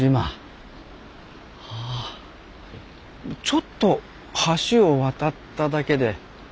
ちょっと橋を渡っただけで。